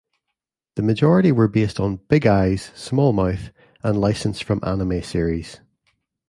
The majority were based on "Big Eyes, Small Mouth" and licensed from anime series.